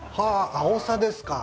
アオサです。